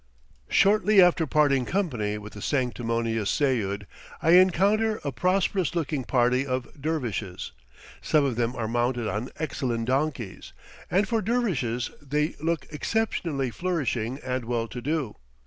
Shortly after parting company with the sanctimonious seyud, I encounter a prosperous looking party of dervishes. Some of them are mounted on excellent donkeys, and for dervishes they look exceptionally flourishing and well to do.